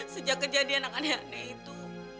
sejak kejadian anak anak itu